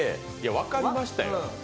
分かりましたよ。